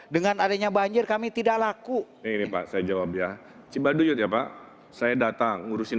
dengan adanya banjir kami tidak laku ini pak saya jawab ya cibaduyut ya pak saya datang ngurusin